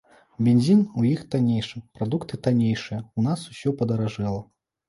Бензін у іх таннейшы, прадукты таннейшыя, у нас усё падаражэла!